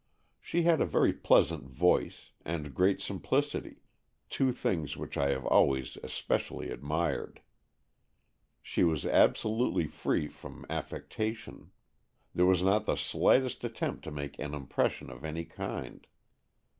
She had a very pleasant voice, and great simplicity — two things which I have always especially admired. She was absolutely free from affectation. There was not the slightest attempt to make an impression of any kind.